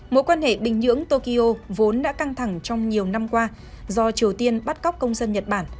mối quan hệ bình nhưỡng tokyo vốn đã căng thẳng trong nhiều năm qua do triều tiên bắt cóc công dân nhật bản